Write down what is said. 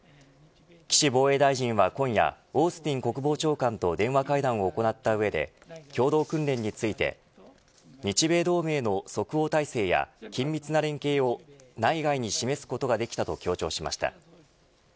岸防衛大臣は今夜オースティン国防長官と電話会談を行った上で共同訓練について日米同盟の即応態勢や緊密な連携を内外に示すことができたと強調しました。